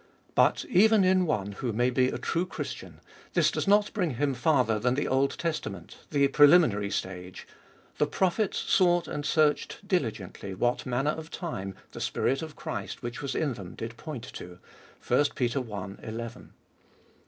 But even in one who may be a true Christian, this does not bring him farther than the Old Testament, the preliminary stage :" The prophets sought and searched diligently what manner of time the Spirit of Christ which was in them did point unto" (i Pet. i. n).